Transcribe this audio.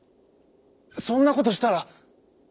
「そんなことしたら！」。